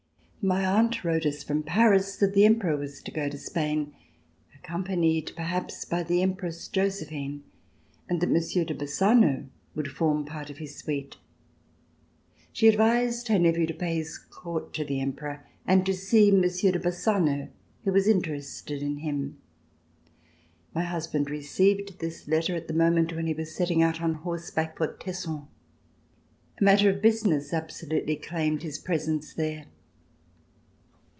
My aunt wrote us from Paris that the Emperor was to go to Spain, accompanied perhaps by the Empress Josephine, and that Mon sieur de Bassano would form part of his suite. She C327] RECOLLECTIONS OF THE REVOLUTION advised her nephew to pay his court to the Emperor and to see Monsieur de Bassano, who was interested in him. My husband received this letter at the mo ment when he was setting out on horseback for Tesson. A matter of business absolutely claimed his presence there.